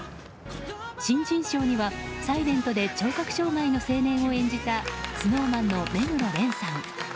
新人賞には「ｓｉｌｅｎｔ」で聴覚障害の青年を演じたＳｎｏｗＭａｎの目黒蓮さん。